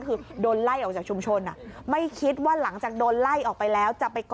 คือโดนไล่ออกจากชุมชนไม่คิดว่าหลังจากโดนไล่ออกไปแล้วจะไปก่อ